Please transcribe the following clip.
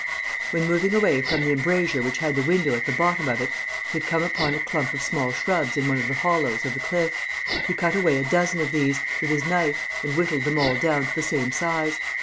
When moving away from the embrasure which had the window at the bottom of it, he had come upon a clump of small shrubs in one of the hollows of the cliff. He cut away a dozen of these, with his knife, and whittled them all down to the same size.